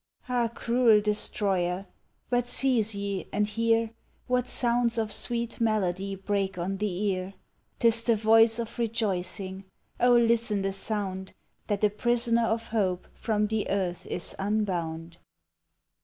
Ah, cruel destroyer! But cease ye, and hear What sounds of sweet melody break on the ear! 'Tis the voice of rejoicing, oh, listen the sound, That a prisoner of hope from the earth is unbound!